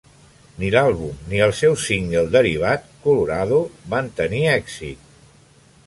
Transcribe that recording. Ni l'àlbum ni el seu single derivat "Colorado" van tenir èxit.